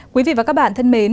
quý vị và các bạn thân mến